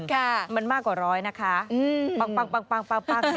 ค่ะมันมากกว่าร้อยนะคะปังปัง